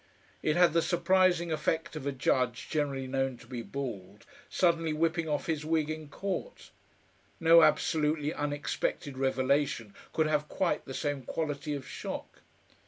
It had the surprising effect of a judge generally known to be bald suddenly whipping off his wig in court. No absolutely unexpected revelation could have quite the same quality of shock.